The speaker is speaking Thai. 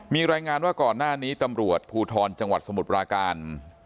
มีรายงานว่าก่อนหน้านี้ตำรวจภูทรจังหวัดสมุทรปราการ